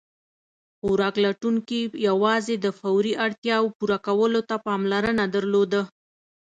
خوراک لټونکي یواځې د فوري اړتیاوو پوره کولو ته پاملرنه درلوده.